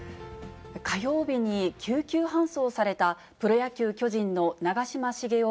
火曜日に救急搬送されたプロ野球・巨人の長嶋茂雄